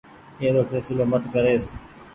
اي رو ڦيسلو مت ڪريس۔